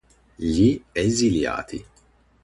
Gli esiliati.